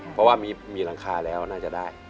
เพราะว่ามีหลังคาแล้วน่าจะได้